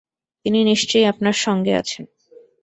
তিনি নিশ্চয়ই আপনার সঙ্গে আছেন।